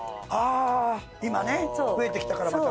今ね増えてきたからまた。